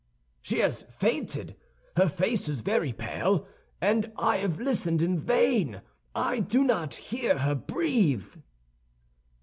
"She has fainted. Her face is very pale, and I have listened in vain; I do not hear her breathe."